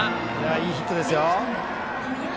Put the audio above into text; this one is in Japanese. いいヒットですよ。